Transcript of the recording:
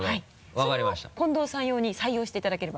それを近藤さん用に採用していただければ。